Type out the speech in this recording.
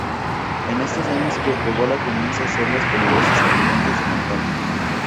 Es en estos años que Evola comienza a hacer las peligrosas caminatas de montaña.